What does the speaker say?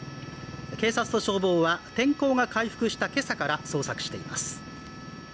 警察と消防は天候が回復したけさから捜索しています